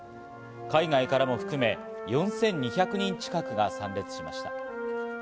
海外からも含め４２００人近くが参列しました。